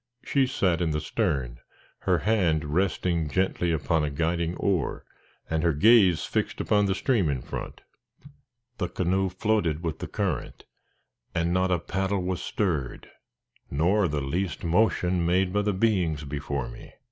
She sat in the stern, her hand resting gently upon a guiding oar, and her gaze fixed upon the stream in front. The canoe floated with the current, and not a paddle was stirred, nor the least motion made by the beings before me.